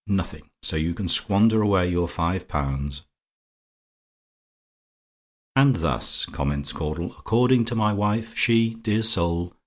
Nothing; so you can squander away five pounds." "And thus," comments Caudle, "according to my wife, she dear soul!